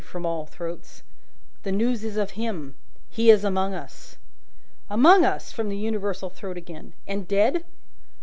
from all throats. "The news is of him. He is among us!" "Among us!" from the universal throat again. "And dead?"